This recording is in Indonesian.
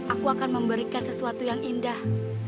aku akan memberikan sesuatu yang indah